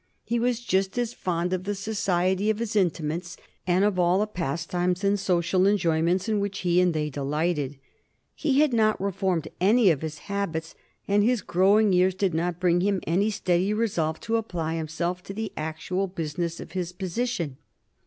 He was just as fond of the society of his intimates and of all the pastimes and social enjoyments in which he and they delighted. He had not reformed any of his habits, and his growing years did not bring him any steady resolve to apply himself to the actual business of his position.